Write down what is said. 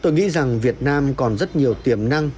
tôi nghĩ rằng việt nam còn rất nhiều tiềm năng